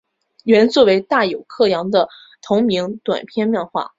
原作为大友克洋的同名短篇漫画。